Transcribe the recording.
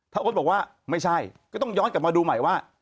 ถ้าโอ๊ตบอกว่าไม่ใช่ก็ต้องย้อนกลับมาดูใหม่ว่า